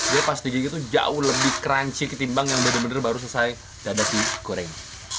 jadi pas digigit tuh jauh lebih crunchy ketimbang yang benar benar baru selesai dadah di goreng